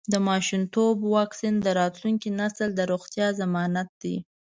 د ماشومتوب واکسین د راتلونکي نسل د روغتیا ضمانت دی.